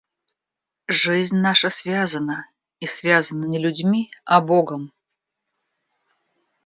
Жизнь наша связана, и связана не людьми, а Богом.